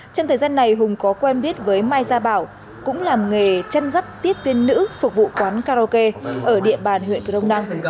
trong thời gian này huỳnh minh hùng có quen biết với mai gia bảo cũng làm nghề chăn rắt tiếp viên nữ phục vụ quán karaoke ở địa bàn huyện cửa đông năng